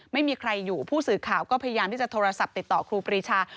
ไม่มีใครอยู่ผู้สื่อข่าวก็พยายามที่จะโทรศัพท์ติดต่อครูปรีชา